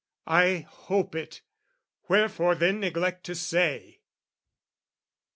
"I hope it, wherefore then neglect to say?"